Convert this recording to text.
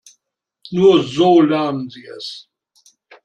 Nur so lernen sie es.